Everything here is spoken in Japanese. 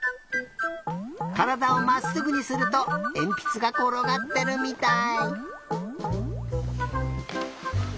からだをまっすぐにするとえんぴつがころがってるみたい。